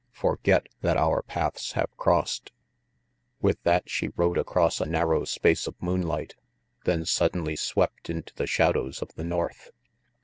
"Forget that our paths have crossed." With that she rode across a narrow space of moonlight, them suddenly swept into the shadows of the north.